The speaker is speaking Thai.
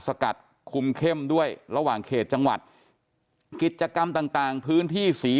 สกัดคุมเข้มด้วยระหว่างเขตจังหวัดกิจกรรมต่างต่างพื้นที่สี